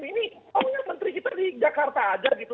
ini awalnya menteri kita di jakarta aja gitu